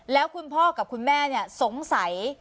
แล้วคุณพ่อกับคุณแม่สงสัย